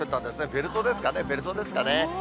ベルトですかね、ベルトですかね。